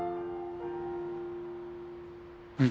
うん